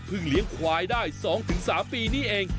เพิ่งเลี้ยงขวายได้สองถึงสามปีนี่เอง